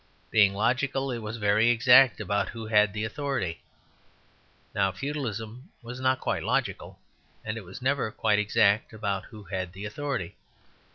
Being logical, it was very exact about who had the authority. Now Feudalism was not quite logical, and was never quite exact about who had the authority.